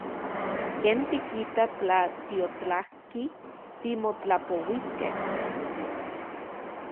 ¿Ken tikita tla tiotlatki timotlapouiskej?